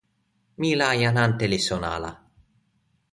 mi la jan ante li sona ala.